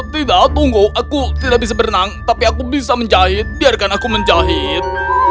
tidak tunggu aku tidak bisa berenang tapi aku bisa menjahit biarkan aku menjahit